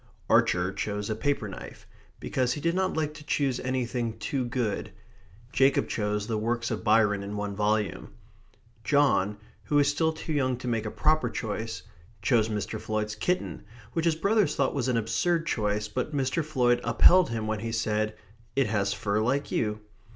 Archer chose a paper knife, because he did not like to choose anything too good; Jacob chose the works of Byron in one volume; John, who was still too young to make a proper choice, chose Mr. Floyd's kitten, which his brothers thought an absurd choice, but Mr. Floyd upheld him when he said: "It has fur like you."